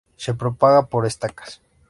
Se propaga por estacas.